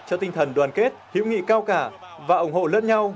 cho tinh thần đoàn kết hiệu nghị cao cả và ủng hộ lớn nhau